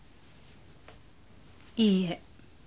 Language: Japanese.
いいえ。